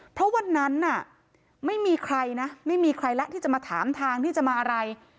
เพราะวันนั้นน่ะไม่มีใครนะไม่มีใครแล้วที่จะมาถามทางที่จะมาอะไร